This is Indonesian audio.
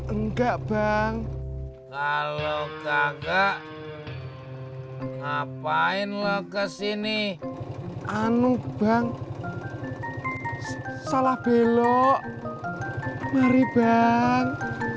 enggak bang kalau enggak ngapain lo kesini anu bang salah belok mari bang